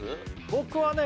僕はね